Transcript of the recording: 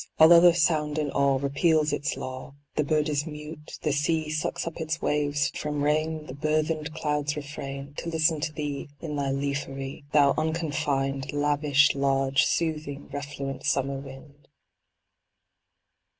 All other sound in aweRepeals its law; The bird is mute, the seaSucks up its waves, from rainThe burthened clouds refrain, To listen to thee in thy leafery, Thou unconfined, Lavish, large, soothing, refluent summer wind.